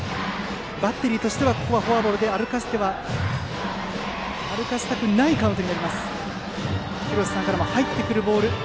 バッテリーはフォアボールで歩かせたくないカウント。